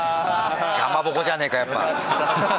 かまぼこじゃねえかやっぱ。